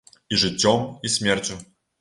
І жыццём, і смерцю.